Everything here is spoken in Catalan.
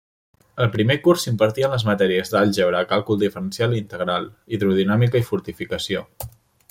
En primer curs s'impartien les matèries d'àlgebra, Càlcul diferencial i integral, Hidrodinàmica i fortificació.